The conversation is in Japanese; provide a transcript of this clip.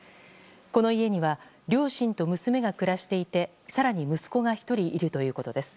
この家には両親と娘が暮らしていて更に息子が１人いるということです。